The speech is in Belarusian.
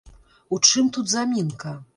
У чым тут замінка?